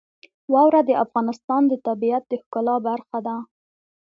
واوره د افغانستان د طبیعت د ښکلا برخه ده.